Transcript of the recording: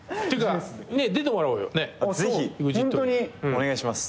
お願いします。